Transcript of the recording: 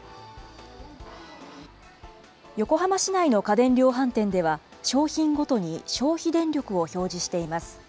横浜市内の家電量販店では、商品ごとに消費電力を表示しています。